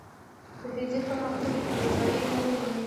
د فزیک پرمختګ تمځای نه لري.